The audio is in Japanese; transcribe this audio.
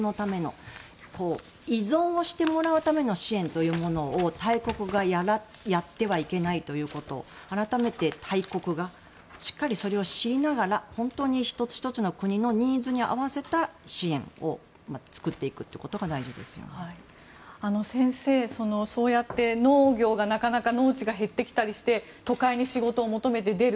依存をするための支援を大国がやってはいけないということを改めて大国がしっかりそれを知りながら本当に１つ１つの国のニーズに合わせた支援を先生、そうやって農業がなかなか農地が減ってきたりして都会に仕事を求めて、出る。